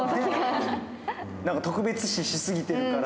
なんか特別視し過ぎてるから。